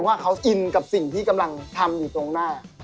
ว่าเขาอินกับสิ่งที่กำลังทำอยู่ตรงหน้า